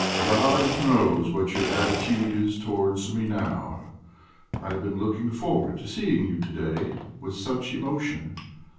God knows what your attitude is towards me now; I have been looking forward to seeing you to day with such emotion.